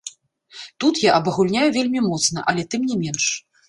Тут я абагульняю вельмі моцна, але тым не менш.